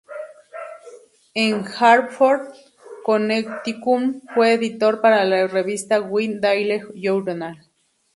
En Hartford, Connecticut, fue editor para la revista "Whig Daily Journal".